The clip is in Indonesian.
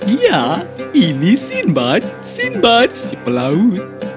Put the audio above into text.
ya ini sinbad sinbad si pelaut